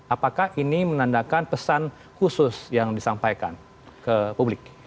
apakah ini menandakan pesan khusus yang disampaikan ke publik